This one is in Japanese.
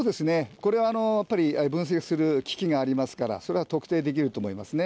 これはやっぱり分析する機器がありますから、それは特定できると思いますね。